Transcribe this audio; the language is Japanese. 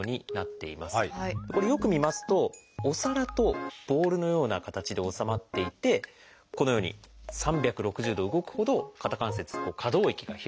これよく見ますとお皿とボールのような形で収まっていてこのように３６０度動くほど肩関節可動域が広い。